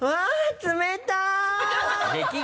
冷たい。